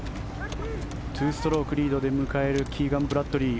２ストロークリードで迎えるキーガン・ブラッドリー